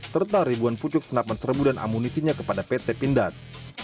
serta ribuan pucuk senapan serbu dan amunisinya kepada pt pindad